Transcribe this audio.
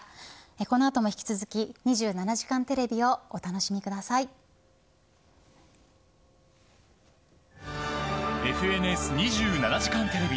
このあとも引き続き「２７時間テレビ」を「ＦＮＳ２７時間テレビ」。